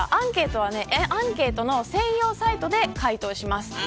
アンケートの専用サイトで回答します。